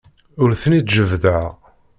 Ur ten-id-jebbdeɣ.